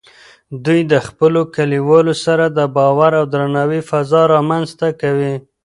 دوی د خپلو کلیوالو سره د باور او درناوي فضا رامینځته کوي.